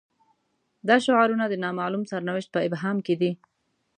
دا شعارونه د نا معلوم سرنوشت په ابهام کې دي.